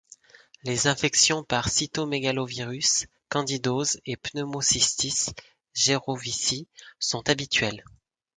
Les infections par cytomégalovirus, candidose et pneumocystis jerovici sont habituelles.